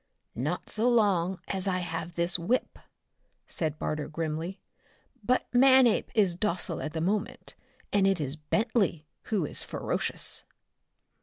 "Not so long as I have this whip," said Barter grimly. "But Manape is docile at the moment, and it is Bentley who is ferocious."